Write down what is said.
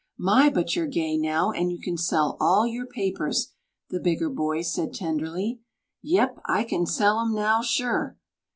"My, but you're gay now, and you can sell all your papers," the bigger boy said tenderly. "Yep, I can sell 'em now, sure!"